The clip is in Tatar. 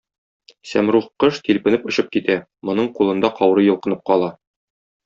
Сәмруг кош тилпенеп очып китә, моның кулында каурый йолкынып кала.